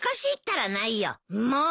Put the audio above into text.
もう！